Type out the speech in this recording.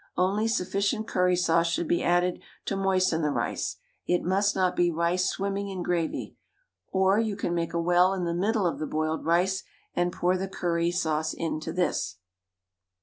Only sufficient curry sauce should be added to moisten the rice it must not be rice swimming in gravy; or you can make a well in the middle of the boiled rice and pour the curry sauce into this.